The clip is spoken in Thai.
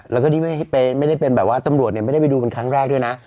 แล้วก็นี้ไม่ได้เป็นเราตำรวจไปดูเป็นครั้งแรกด้วยนะ